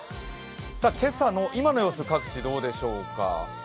今朝の今の様子、各地どうでしょうか。